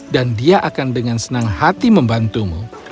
dan dia akan dengan senang hati membantumu